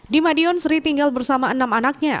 di madiun sri tinggal bersama enam anaknya